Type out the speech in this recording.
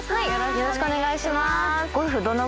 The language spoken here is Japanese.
よろしくお願いします。